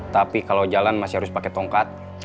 tapi kalau jalan masih harus pakai tongkat